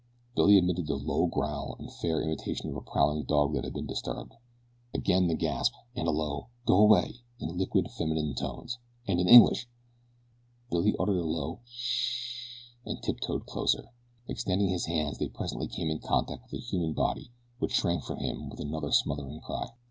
Billy emitted a low growl, in fair imitation of a prowling dog that has been disturbed. Again the gasp, and a low: "Go away!" in liquid feminine tones and in English! Billy uttered a low: "S s sh!" and tiptoed closer. Extending his hands they presently came in contact with a human body which shrank from him with another smothered cry.